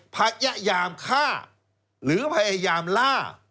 พยายามฆ่าหรือพยายามล่า